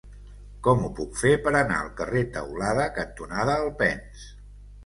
Com ho puc fer per anar al carrer Teulada cantonada Alpens?